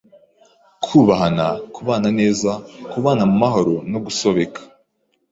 kubahana, kubana neza, kubana mu mahoro no gusobeka